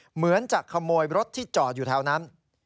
เหมือนจะขโมยรถที่จอดอยู่แถวนั้น